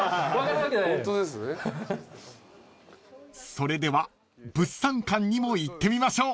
［それでは物産館にも行ってみましょう］